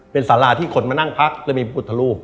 เป็นสาราที่คนมานั่งพักแล้วมีบุตรรูป